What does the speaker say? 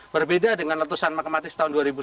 berbeda dengan letusan makmatis tahun dua ribu sepuluh